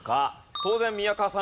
当然宮川さん